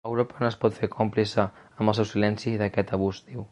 Europa no es pot fer còmplice, amb el seu silenci, d’aquest abús, diu.